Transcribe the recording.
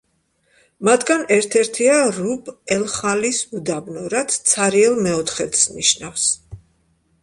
მათგან ერთ-ერთია რუბ-ელ-ხალის უდაბნო, რაც „ცარიელ მეოთხედს“ ნიშნავს.